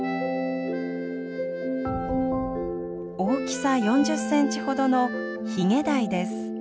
大きさ４０センチほどのヒゲダイです。